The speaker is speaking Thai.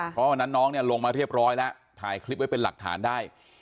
เพราะวันนั้นน้องเนี่ยลงมาเรียบร้อยแล้วถ่ายคลิปไว้เป็นหลักฐานได้